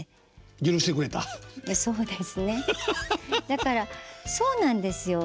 だからそうなんですよ。